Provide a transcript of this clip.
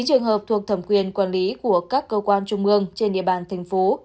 bốn trường hợp thuộc thẩm quyền quản lý của các cơ quan trung ương trên địa bàn thành phố